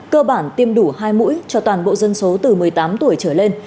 cơ bản tiêm đủ hai mũi cho toàn bộ dân số từ một mươi tám tuổi trở lên